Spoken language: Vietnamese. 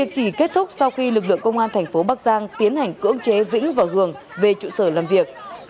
chỉ kết thúc sau khi lực lượng công an thành phố bắc giang tiến hành cưỡng chế vĩnh và gường về trụ sở làm việc